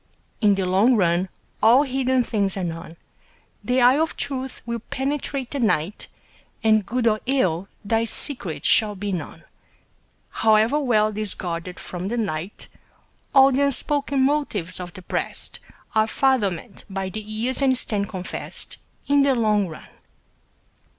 In the long run all hidden things are known, The eye of truth will penetrate the night, And good or ill, thy secret shall be known, However well 'tis guarded from the light. All the unspoken motives of the breast Are fathomed by the years and stand confess'd In the long run.